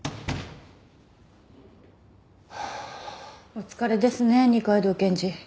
お疲れですね二階堂検事。